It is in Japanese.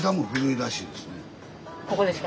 ここですか？